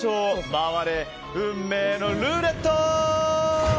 回れ、運命のルーレット！